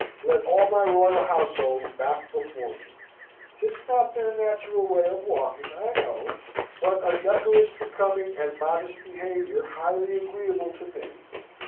Let all my royal household back before me. 'Tis not their natural way of walking, I know: but a decorous, becoming, and modest behaviour highly agreeable to me.